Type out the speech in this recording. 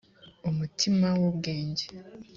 umutima w’ ubwenge